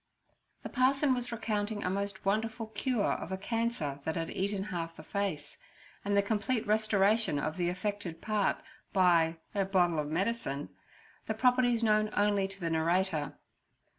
The parson was recounting a most wonderful cure of a cancer that had eaten half the face, and the complete restoration of the affected part by 'er bottle er medicine' the properties known only to the narrator.